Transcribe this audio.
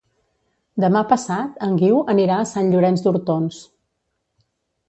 Demà passat en Guiu anirà a Sant Llorenç d'Hortons.